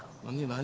何？